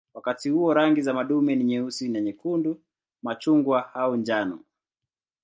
Wakati huo rangi za madume ni nyeusi na nyekundu, machungwa au njano.